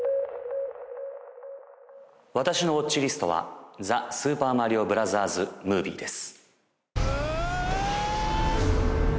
私のＷａｔｃｈＬＩＳＴは「ザ・スーパーマリオブラザーズ・ムービー」です